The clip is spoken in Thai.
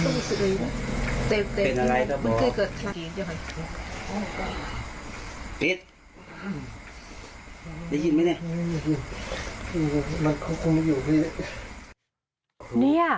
มันคงคงอยู่ดี